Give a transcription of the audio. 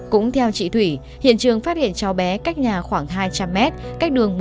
cũng theo chị thủy hiện trường phát hiện cháu bé cách nhà khoảng hai trăm linh m cách đường một trăm linh m